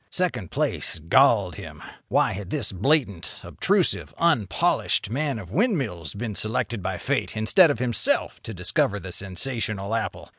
Second place galled him. Why had this blatant, obtrusive, unpolished man of windmills been selected by Fate instead of himself to discover the sensational apple?